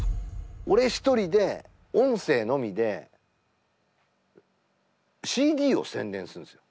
俺一人で音声のみでＣＤを宣伝するんですよ。